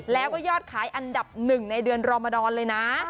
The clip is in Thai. แล้วก็ยอดขายอันดับ๑ในเดือนรอมดอนเลยนะ